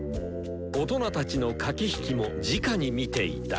大人たちの駆け引きもじかに見ていた。